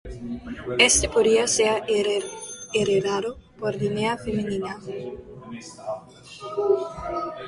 Este podía ser heredado por línea femenina.